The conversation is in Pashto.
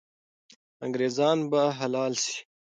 انګریزان به حلال سي.